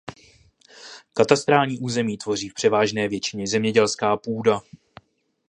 Katastrální území tvoří v převážné většině zemědělská půda.